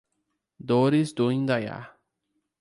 Dores do Indaiá